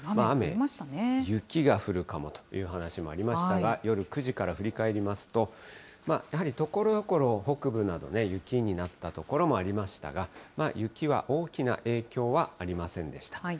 雨、雪が降るかもという話もありましたが、夜９時から振り返りますと、やはりところどころ北部などで雪になった所もありましたが、雪は大きな影響はありませんでした。